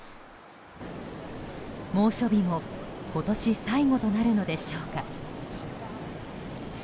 猛暑日も今年最後となるのでしょうか。